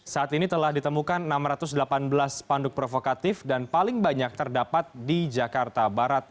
saat ini telah ditemukan enam ratus delapan belas spanduk provokatif dan paling banyak terdapat di jakarta barat